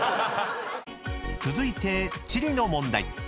［続いて地理の問題］